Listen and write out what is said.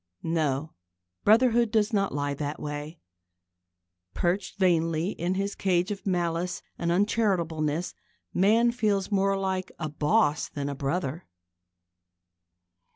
No: brotherhood does not lie that way. Perched vainly in his cage of malice and uncharitableness, man feels more like a boss than a brother.